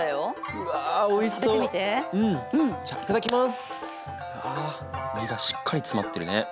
うわ実がしっかり詰まってるね。